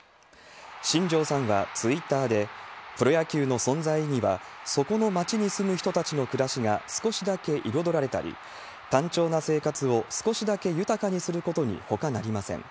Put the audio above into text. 新庄さんはツイッターで、プロ野球の存在意義は、そこの町に住む人たちの暮らしが少しだけ彩られたり、単調な生活を少しだけ豊かにすることにほかなりません。